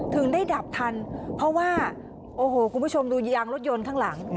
ถึงได้ดับทันเพราะว่าโอ้โหคุณผู้ชมดูยางรถยนต์ข้างหลัง